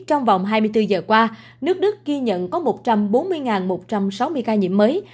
trong vòng hai mươi bốn giờ qua nước đức ghi nhận có một trăm bốn mươi một trăm sáu mươi ca nhiễm mới